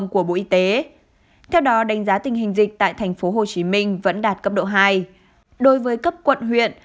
bốn nghìn tám trăm linh của bộ y tế theo đó đánh giá tình hình dịch tại tp hcm vẫn đạt cấp độ hai đối với cấp quận